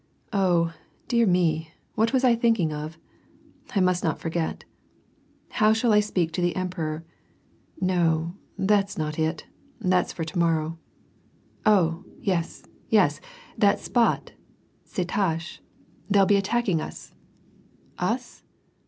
"Oh, dear me, what was I thinking of? I must not forget. How shall I speak to the emperor? No, that's not it; that's for to morrow. Oh, yes, yes ! tliat spot — cette tache f they'll 324 WAR AND PEACE. be attacking us ! Us